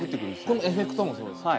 このエフェクトもそうですか？